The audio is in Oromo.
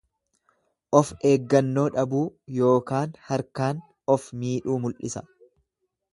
Of eeggannoo dhabuu yookaan harkaan of midhuu mul'isa.